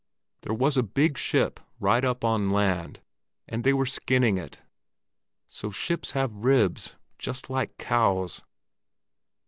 There was a big ship right up on land, and they were skinning it. So ships have ribs, just like cows!